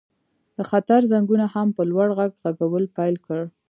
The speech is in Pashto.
د خطر زنګونو هم په لوړ غږ غږول پیل کړل